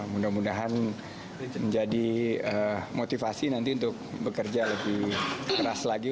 mudah mudahan menjadi motivasi nanti untuk bekerja lebih keras lagi